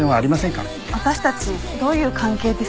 私たちどういう関係ですかね？